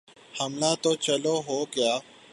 حملہ تو چلو ہو گیا۔